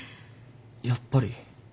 やっぱり。